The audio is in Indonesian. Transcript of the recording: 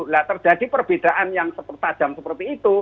nah terjadi perbedaan yang tajam seperti itu